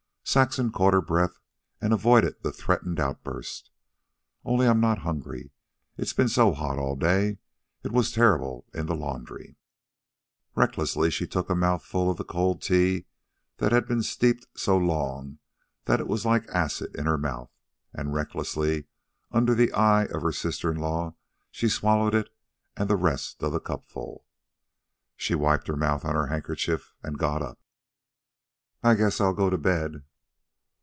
Saxon caught her breath and avoided the threatened outburst. "Only I'm not hungry. It's been so hot all day. It was terrible in the laundry." Recklessly she took a mouthful of the cold tea that had been steeped so long that it was like acid in her mouth, and recklessly, under the eye of her sister in law, she swallowed it and the rest of the cupful. She wiped her mouth on her handkerchief and got up. "I guess I'll go to bed."